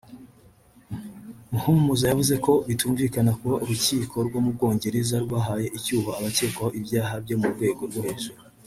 Muhumuza yavuze ko bitumvikana kuba urukiko rwo mu Bwongereza rwahaye icyuho abakekwaho ibyaha byo mu rwego rwo hejuru